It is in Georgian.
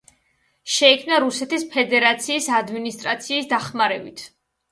შეიქმნა რუსეთის ფედერაციის ადმინისტრაციის დახმარებით.